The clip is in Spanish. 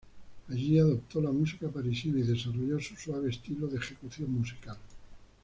Allí adoptó la música parisina y desarrolló su suave estilo de ejecución musical.